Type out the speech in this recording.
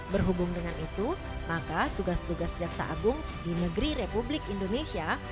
berhubung dengan itu maka tugas tugas jaksa agung di negeri republik indonesia